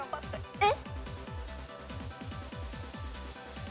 えっ？